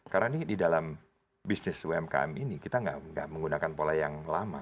karena ini di dalam bisnis umkm ini kita tidak menggunakan pola yang lama